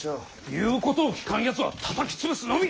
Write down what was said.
言うことを聞かんやつはたたき潰すのみ！